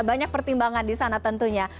banyak pertimbangan di sana tentunya